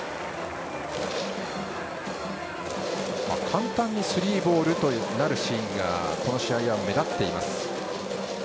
簡単にスリーボールとなるシーンがこの試合は目立っています。